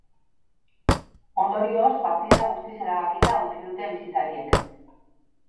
Ondorioz, partida guztiz erabakita utzi dute bisitariek.